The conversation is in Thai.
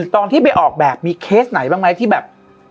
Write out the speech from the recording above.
ตอนที่ไปออกแบบมีเคสไหนบ้างไหมที่แบบ